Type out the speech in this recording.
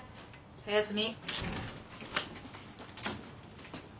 おやすみ。